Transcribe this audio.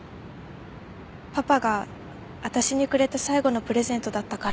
パパが私にくれた最後のプレゼントだったから。